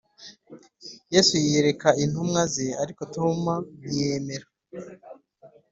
yesu yiyereka intumwa ze ariko toma ntiyemera